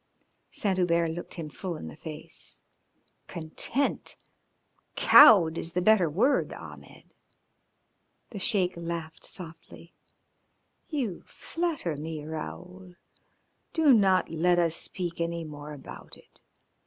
Saint Hubert looked him full in the face. "Content! Cowed is the better word, Ahmed." The Sheik laughed softly. "You flatter me, Raoul. Do not let us speak any more about it.